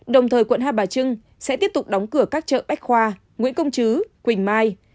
đồng thời quận hai bà trưng sẽ tiếp tục đóng cửa các chợ bách khoa nguyễn công chứ quỳnh mai